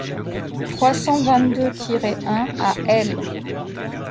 trois cent vingt-deux-un à L.